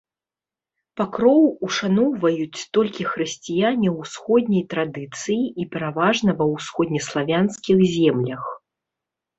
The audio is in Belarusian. Пакроў ушаноўваюць толькі хрысціяне ўсходняй традыцыі і пераважна ва ўсходнеславянскіх землях.